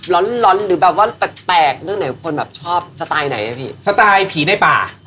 ร้อนร้อนหรือแบบว่าแปลกเรื่องไหนคนแบบชอบสไตล์ไหนอ่ะพี่สไตล์ผีในป่า